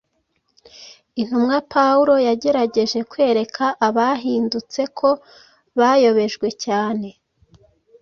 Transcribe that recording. Intumwa Pawulo yagerageje kwereka abahindutse ko bayobejwe cyane